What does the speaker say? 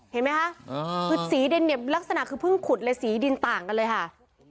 เห็นไหมคะคือสีดินเนี่ยลักษณะคือเพิ่งขุดเลยสีดินต่างกันเลยค่ะ